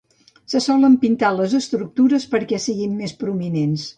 Se solen pintar les estructures perquè siguin més prominents.